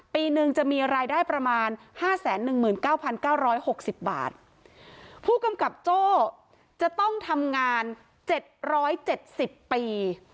ปีหนึ่งจะมีรายได้ประมาณ๕๑๙๙๖๐บาทผู้กำกับโจ้จะต้องทำงาน๗๗๐ปี